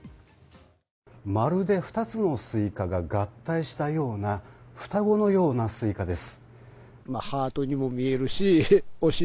まるで２つのスイカが合体したような双子のようなスイカです。